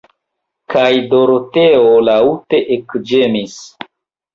Kaj Doroteo laŭte ekĝemis.